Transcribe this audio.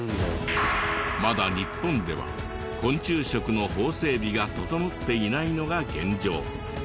まだ日本では昆虫食の法整備が整っていないのが現状。